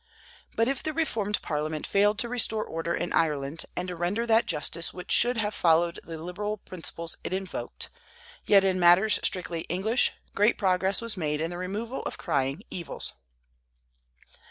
But if the reformed Parliament failed to restore order in Ireland, and to render that justice which should have followed the liberal principles it invoked, yet in matters strictly English great progress was made in the removal of crying evils.